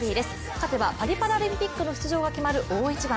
勝てばパリパラリンピックの出場が決まる大一番。